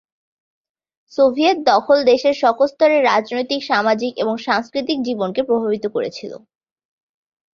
Soviet দখল দেশের সকল স্তরের রাজনৈতিক, সামাজিক এবং সাংস্কৃতিক জীবনকে প্রভাবিত করেছিল।